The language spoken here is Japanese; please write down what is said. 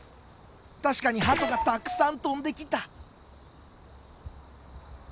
確かにハトがたくさん飛んできた！